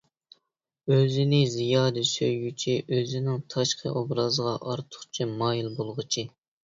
ئۆزىنى زىيادە سۆيگۈچى، ئۆزىنىڭ تاشقى ئوبرازىغا ئارتۇقچە مايىل بولغۇچى.